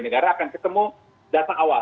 negara akan ketemu data awal